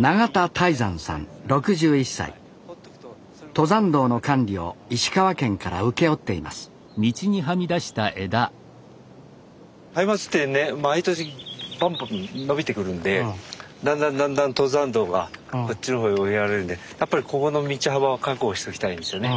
登山道の管理を石川県から請け負っていますハイマツってね毎年バンバン伸びてくるんでだんだんだんだん登山道がこっちの方へ追いやられるんでやっぱりここの道幅は確保しときたいんですよね。